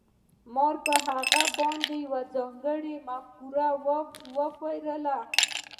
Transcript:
ما په هغه باندې یوه ځانګړې مفکوره وپلورله